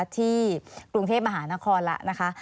ที่กรุงเทพมหานครแล้วนะคะ